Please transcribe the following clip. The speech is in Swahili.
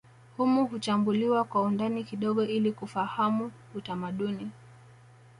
Humu huchambuliwa kwa undani kidogo ili kufahamu utamaduni